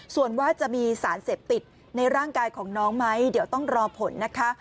ส่วนว่าจะมีสารเสพติดในร่างกายของน้องไหมเดี๋ยวต้องรอผลนะคะ